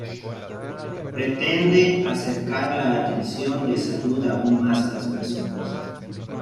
Pretende acercar la atención de salud aún más a las personas.